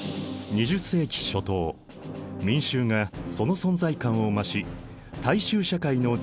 ２０世紀初頭民衆がその存在感を増し大衆社会の時代を迎えた。